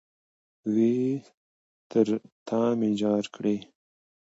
وئ ! تر تامي جار کړې